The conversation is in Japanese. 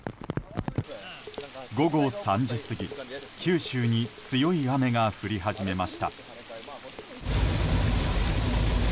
午後３時過ぎ、九州に強い雨が降り始めました。